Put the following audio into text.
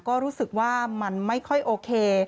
ก็รู้สึกว่ามันไม่ค่อยโอเค